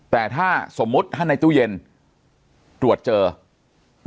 แต่ถ้าสมมุติในตู้เย็นตรวจเจอครับ